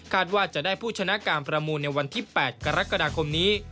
ว่าจะได้ผู้ชนะการประมูลในวันที่๘กรกฎาคมนี้